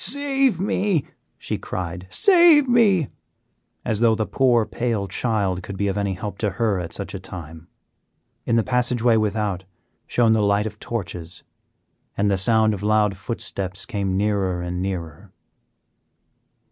"Save me!" she cried, "save me!" as though the poor, pale child could be of any help to her at such a time. In the passageway without shone the light of torches, and the sound of loud footsteps came nearer and nearer.